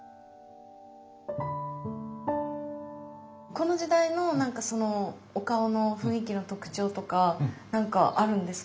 この時代のお顔の雰囲気の特徴とかなんかあるんですか？